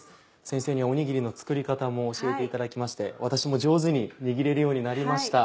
先生におにぎりの作り方も教えていただきまして私も上手に握れるようになりました。